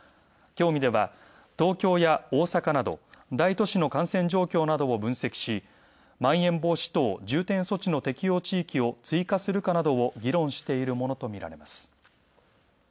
協議では、東京や大阪など大都市の感染状況などを分析し、まん延防止等重点措置の適用地域を追加するかなどを議論しているものとみられます。